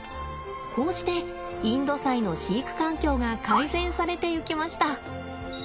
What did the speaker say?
こうしてインドサイの飼育環境が改善されていきました。